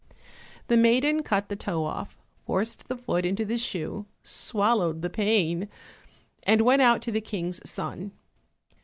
The maiden cut the toe off, forced the foot into the shoe, swallowed the pain, and went out to the King's son.